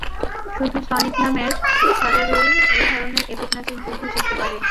শুধু সনিক নামের সজারুই এই ধরণের এপিক নাচের যুদ্ধে জিততে পারে।